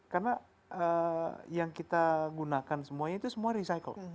karena yang kita gunakan semuanya itu semua recycle